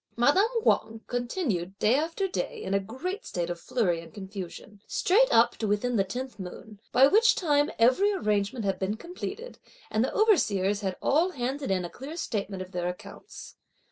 Madame Wang continued day after day in a great state of flurry and confusion, straight up to within the tenth moon, by which time every arrangement had been completed, and the overseers had all handed in a clear statement of their accounts.